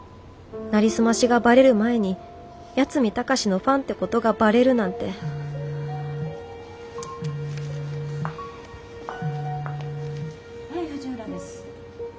なりすましがバレる前に八海崇のファンってことがバレるなんてはい藤浦です。